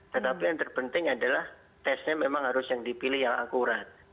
tetapi yang terpenting adalah tesnya memang harus yang dipilih yang akurat